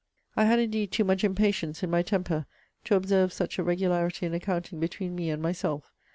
I had indeed too much impatience in my temper, to observe such a regularity in accounting between me and myself.